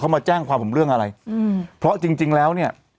เขามาแจ้งความผมเรื่องอะไรอืมเพราะจริงจริงแล้วเนี่ย